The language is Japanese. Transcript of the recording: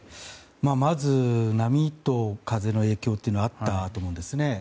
まず波と風の影響はあったと思うんですね。